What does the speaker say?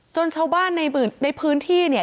จนชาวบ้านในพื้นที่